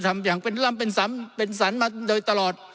ทำอย่างเป็นล่ำเป็นซ้ำเป็นสรรมาโดยตลอด